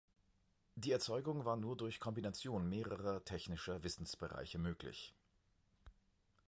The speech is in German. Die Erzeugung war nur durch Kombination mehrerer technischer Wissensbereiche möglich.